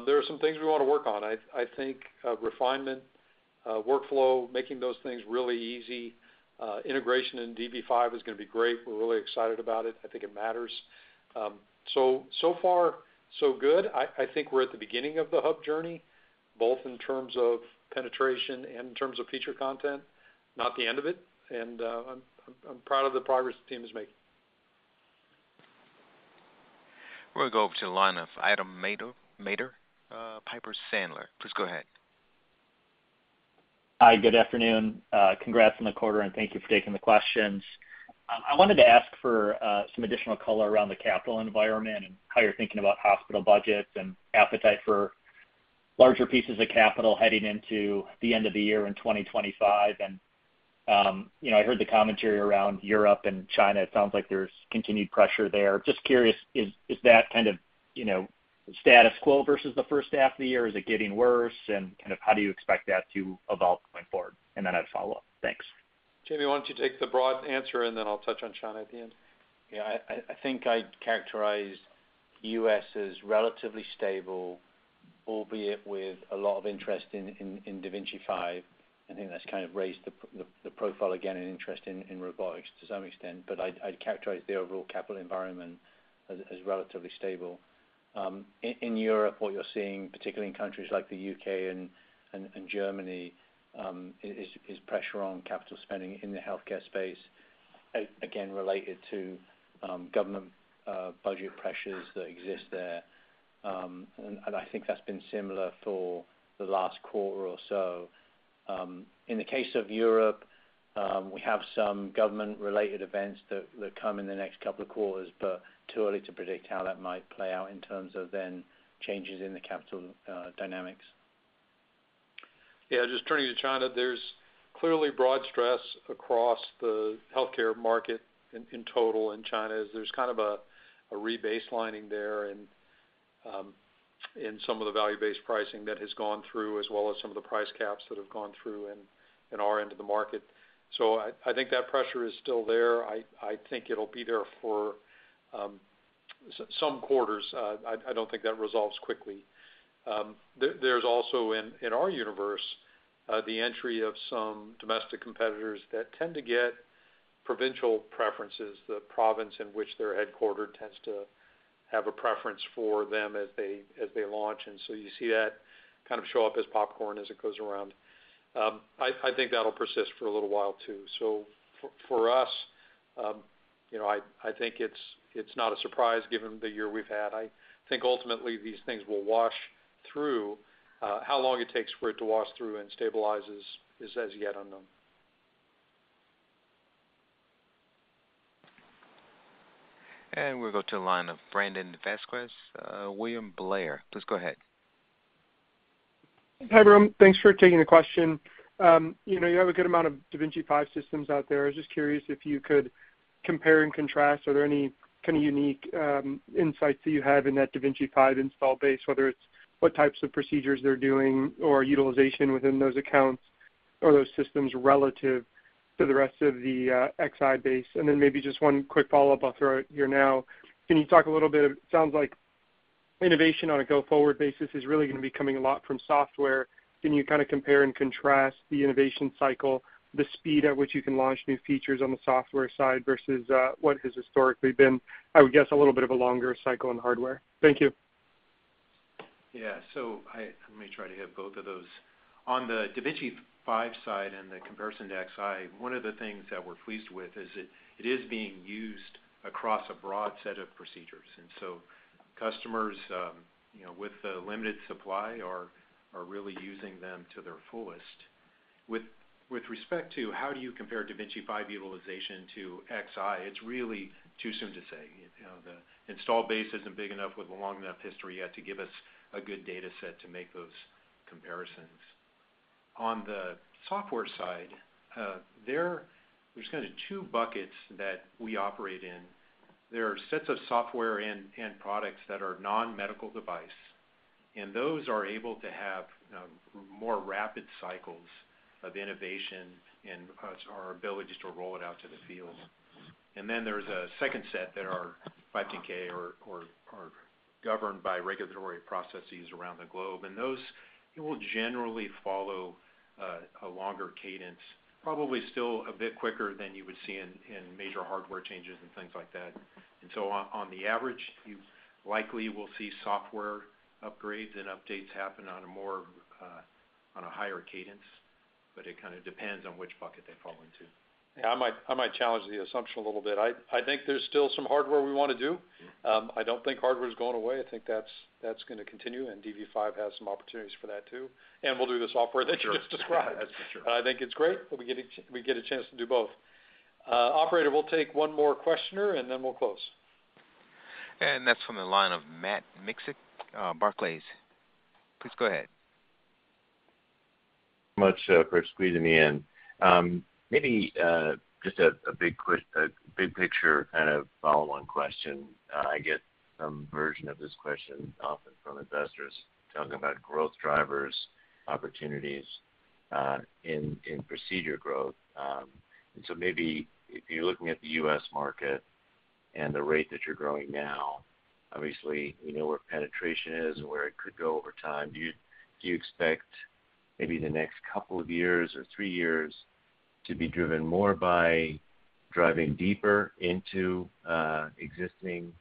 There are some things we wanna work on. I think refinement, workflow, making those things really easy, integration in da Vinci 5 is gonna be great. We're really excited about it. I think it matters. So far, so good. I think we're at the beginning of the Hub journey, both in terms of penetration and in terms of feature content, not the end of it, and I'm proud of the progress the team is making. We'll go over to the line of Adam Maeder, Piper Sandler. Please go ahead. Hi, good afternoon. Congrats on the quarter, and thank you for taking the questions. I wanted to ask for some additional color around the capital environment and how you're thinking about hospital budgets and appetite for larger pieces of capital heading into the end of the year in 2025. You know, I heard the commentary around Europe and China. It sounds like there's continued pressure there. Just curious, is that kind of you know, status quo versus the first half of the year? Is it getting worse? Kind of how do you expect that to evolve going forward? Then I'd follow-up. Thanks. Jamie, why don't you take the broad answer, and then I'll touch on China at the end. Yeah, I think I'd characterize U.S. as relatively stable, albeit with a lot of interest in da Vinci 5. I think that's kind of raised the profile again, and interest in robotics to some extent. But I'd characterize the overall capital environment as relatively stable. In Europe, what you're seeing, particularly in countries like the U.K. and Germany, is pressure on capital spending in the healthcare space, again, related to government budget pressures that exist there. And I think that's been similar for the last quarter or so. In the case of Europe, we have some government-related events that come in the next couple of quarters, but too early to predict how that might play out in terms of then changes in the capital dynamics. Yeah, just turning to China, there's clearly broad stress across the healthcare market in total in China, as there's kind of a rebaselining there and in some of the value-based pricing that has gone through, as well as some of the price caps that have gone through in our end of the market. So I think that pressure is still there. I think it'll be there for some quarters. I don't think that resolves quickly. There's also in our universe the entry of some domestic competitors that tend to get provincial preferences. The province in which they're headquartered tends to have a preference for them as they launch, and so you see that kind of show up as popcorn as it goes around. I think that'll persist for a little while too. So for us, you know, I think it's not a surprise given the year we've had. I think ultimately these things will wash through. How long it takes for it to wash through and stabilizes is as yet unknown. And we'll go to the line of Brandon Vazquez, William Blair. Please go ahead. Hi, everyone. Thanks for taking the question. You know, you have a good amount of da Vinci 5 systems out there. I was just curious if you could compare and contrast, are there any kind of unique insights that you have in that da Vinci 5 install base, whether it's what types of procedures they're doing or utilization within those accounts or those systems relative to the rest of the Xi base? And then maybe just one quick follow-up I'll throw at you now. Can you talk a little bit. It sounds like innovation on a go-forward basis is really gonna be coming a lot from software. Can you kind of compare and contrast the innovation cycle, the speed at which you can launch new features on the software side versus what has historically been, I would guess, a little bit of a longer cycle in hardware? Thank you. Yeah. So let me try to hit both of those. On the da Vinci 5 side and the comparison to Xi, one of the things that we're pleased with is it is being used across a broad set of procedures, and so customers, you know, with a limited supply are really using them to their fullest. With respect to how do you compare da Vinci 5 utilization to Xi, it's really too soon to say. You know, the install base isn't big enough with a long enough history yet to give us a good data set to make those comparisons. On the software side, there kind of two buckets that we operate in. There are sets of software and products that are non-medical device, and those are able to have more rapid cycles of innovation and our ability just to roll it out to the field. And then there's a second set that are 510(k) or are governed by regulatory processes around the globe, and those will generally follow a longer cadence, probably still a bit quicker than you would see in major hardware changes and things like that. And so, on the average, you likely will see software upgrades and updates happen on a higher cadence, but it kind of depends on which bucket they fall into. Yeah, I might challenge the assumption a little bit. I think there's still some hardware we wanna do. I don't think hardware is going away. I think that's gonna continue, and dV5 has some opportunities for that too. And we'll do the software that you just described. That's for sure. I think it's great that we get a chance to do both. Operator, we'll take one more questioner, and then we'll close. That's from the line of Matt Miksic, Barclays. Please go ahead. Much for squeezing me in. Maybe just a big picture kind of follow-on question. I get some version of this question often from investors talking about growth drivers, opportunities in procedure growth. And so maybe if you're looking at the U.S. market and the rate that you're growing now, obviously you know where penetration is and where it could go over time, do you expect maybe the next couple of years or three years to be driven more by driving deeper into existing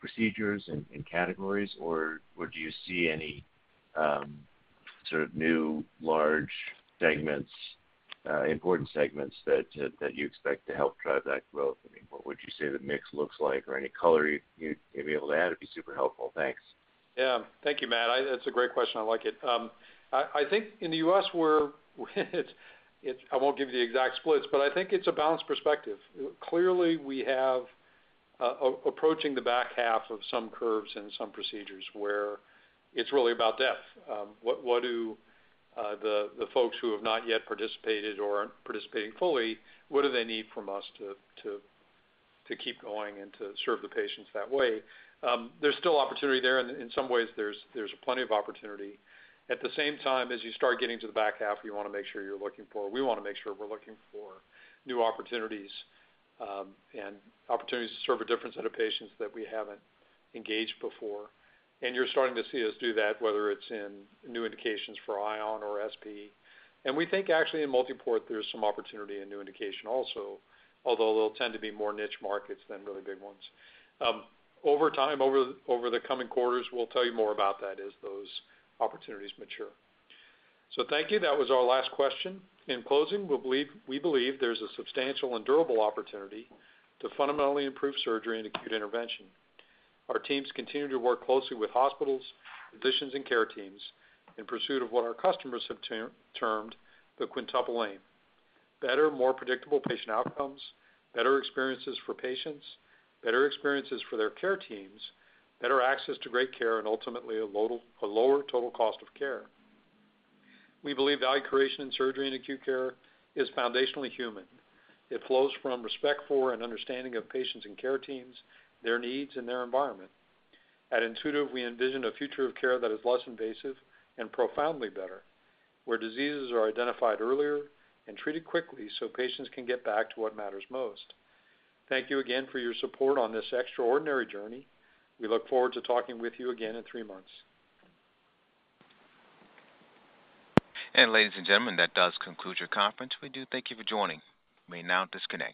procedures and categories? Or would you see any sort of new large segments important segments that you expect to help drive that growth? I mean, what would you say the mix looks like or any color you'd be able to add? It'd be super helpful. Thanks. Yeah. Thank you, Matt. That's a great question. I like it. I think in the U.S., I won't give you the exact splits, but I think it's a balanced perspective. Clearly, we have approaching the back half of some curves and some procedures where it's really about depth. What do the folks who have not yet participated or aren't participating fully need from us to keep going and to serve the patients that way? There's still opportunity there, and in some ways, there's plenty of opportunity. At the same time, as you start getting to the back half, you wanna make sure you're looking for, we wanna make sure we're looking for new opportunities, and opportunities to serve a different set of patients that we haven't engaged before. And you're starting to see us do that, whether it's in new indications for Ion or SP. And we think actually in Multiport, there's some opportunity in new indication also, although they'll tend to be more niche markets than really big ones. Over time, over the coming quarters, we'll tell you more about that as those opportunities mature. So thank you. That was our last question. In closing, we believe there's a substantial and durable opportunity to fundamentally improve surgery and acute intervention. Our teams continue to work closely with hospitals, physicians, and care teams in pursuit of what our customers have termed the quintuple aim: better, more predictable patient outcomes, better experiences for patients, better experiences for their care teams, better access to great care, and ultimately, a lower total cost of care. We believe value creation in surgery and acute care is foundationally human. It flows from respect for and understanding of patients and care teams, their needs and their environment. At Intuitive, we envision a future of care that is less invasive and profoundly better, where diseases are identified earlier and treated quickly, so patients can get back to what matters most. Thank you again for your support on this extraordinary journey. We look forward to talking with you again in three months. And ladies and gentlemen, that does conclude your conference. We do thank you for joining. You may now disconnect.